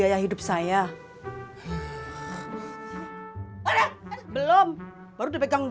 pakan yuk chee